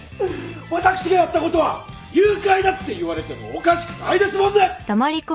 私がやったことは誘拐だって言われてもおかしくないですもんね！